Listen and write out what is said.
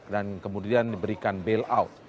dan kemudian diberikan bail out